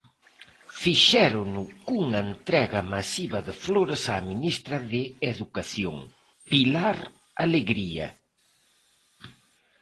Fixérono cunha entrega masiva de flores á ministra de Educación, Pilar Alegría.